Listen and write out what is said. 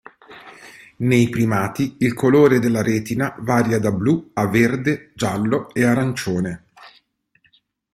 Nei primati il colore della retina varia da blu a verde, giallo, e arancione.